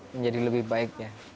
menjadi lebih baik